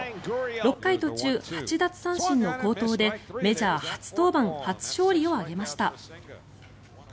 ６回途中８奪三振の好投でメジャー初登板・初勝利を挙げました。